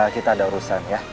kita ada urusan ya